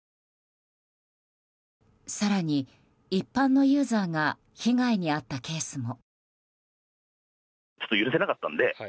更に、一般のユーザーが被害に遭ったケースも。